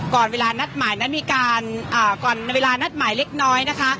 ก่อนเวลานัดหมายนั้นมีการก่อนเวลานัดหมายเล็กน้อยนะคะ